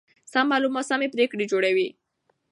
سم معلومات سمې پرېکړې جوړوي.